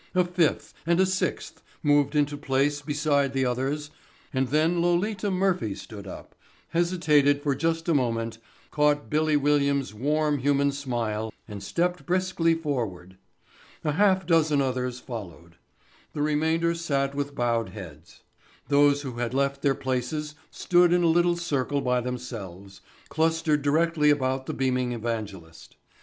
A fifth and a sixth moved into place beside the others and then Lolita Murphy stood up, hesitated for just a moment, caught "Billy" Williams' warm human smile and stepped briskly forward. A half dozen others followed. The remainder sat with bowed heads. Those who had left their places stood in a little circle by themselves, clustered directly about the beaming evangelist.